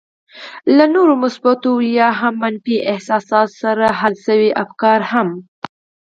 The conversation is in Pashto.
له نورو مثبتو او يا منفي احساساتو سره حل شوي افکار هم.